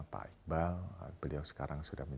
pak iqbal beliau sekarang sudah